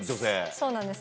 そうなんです